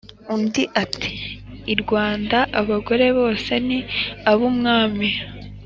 undi ati"irwanda abagore bose n’abumwami